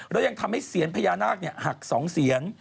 แล้วยังทำให้เสียญพญานาคหัก๒เสียน